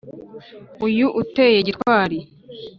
uyu uteye gitwari